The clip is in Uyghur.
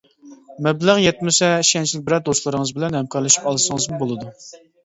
مەبلەغ يەتمىسە، ئىشەنچلىك بىرەر دوستلىرىڭىز بىلەن ھەمكارلىشىپ ئالسىڭىزمۇ بولىدۇ.